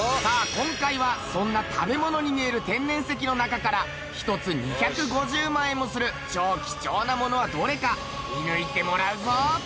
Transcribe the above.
今回はそんな食べ物に見える天然石の中から１つ２５０万円もする超貴重なものはどれか見抜いてもらうぞ。